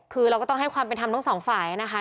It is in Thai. คือเราก็ต้องให้ความเป็นธรรมทั้งสองฝ่ายนะคะ